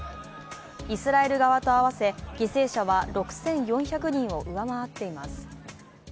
イスラエル側と合わせ、犠牲者は６４００人を上回っています。